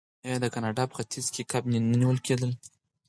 آیا د کاناډا په ختیځ کې کب نه نیول کیدل؟